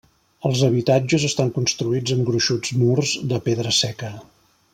Els habitatges estan construïts amb gruixuts murs de pedra seca.